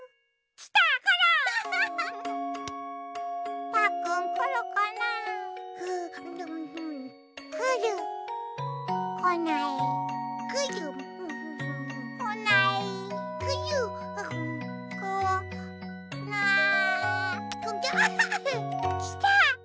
きた！